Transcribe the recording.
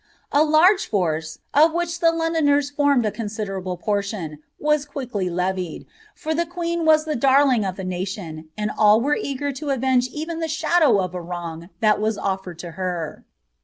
"' A large force, of which the Londoners formed a considerable pottiuL was quickly levied, for the queen was Llic darling of the tiatioa, aajafi were eager in avenge even the shadow of a wrong that was otkni M her.